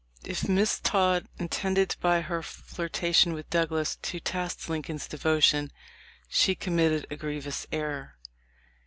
If Miss Todd intended by her flirtation with Douglas to test Lincoln's devotion, she committed a grievous error.